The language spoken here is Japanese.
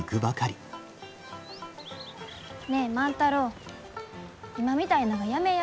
ねえ万太郎今みたいながやめや。